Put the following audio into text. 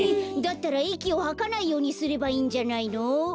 だったらいきをはかないようにすればいいんじゃないの？